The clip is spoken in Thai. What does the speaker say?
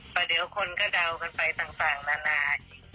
แต่เดี๋ยวคนก็เดากันไปต่างมานานา